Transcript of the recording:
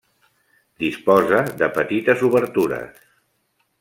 Disposa de petites obertures.